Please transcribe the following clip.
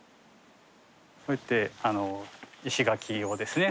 こうやって石垣をですね